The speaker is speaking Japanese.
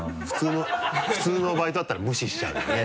普通のバイトだったら無視しちゃうよね。